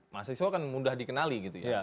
mahasiswa kan mudah dikenali